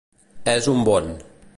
És un bon.